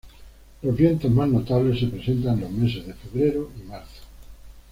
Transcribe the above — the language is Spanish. Los vientos más notables se presentan en los meses de febrero y marzo.